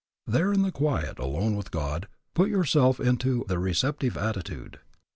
There in the quiet alone with God, put yourself into the receptive attitude.